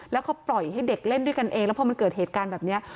แล้วเขาปล่อยให้เด็กเล่นด้วยกันเองแล้วพอมันเกิดเหตุการณ์แบบนี้